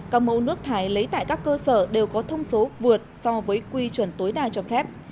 các mẫu nước thải lấy tại các cơ sở đều có thông số vượt so với quy chuẩn tối đa cho phép